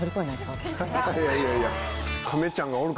いやいやいや。